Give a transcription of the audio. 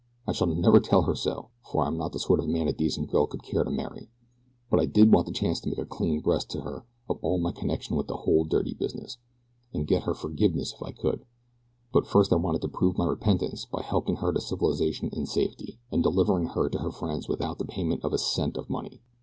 I shall never tell her so, for I am not the sort of man a decent girl would care to marry; but I did want the chance to make a clean breast to her of all my connection with the whole dirty business, and get her forgiveness if I could; but first I wanted to prove my repentance by helping her to civilization in safety, and delivering her to her friends without the payment of a cent of money.